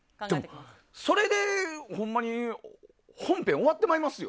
それでほんまに本編終わってしまいますよ。